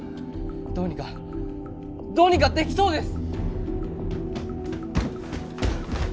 どうにかどうにかできそうです！